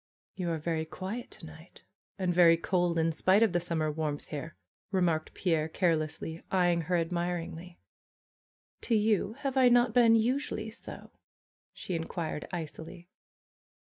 '^You are very quiet to night, and very cold in spite of the summer warmth here," remarked Pierre care lessly, eyeing her admiringly. ^^To you have I not been usually so?" she inquired, icily.